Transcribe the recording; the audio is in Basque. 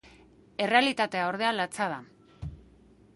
Errealitatea, ordea, latza da.